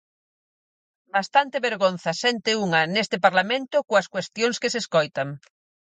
Bastante vergonza sente unha neste Parlamento coas cuestións que se escoitan.